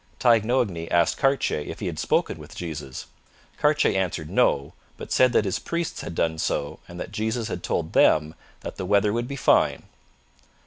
Taignoagny asked Cartier if he had spoken with Jesus. Cartier answered no, but said that his priests had done so and that Jesus had told them that the weather would be fine.